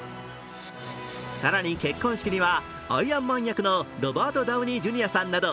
更に結婚式にはアイアンマン役のロバート・ダウニー・ジュニアさんなど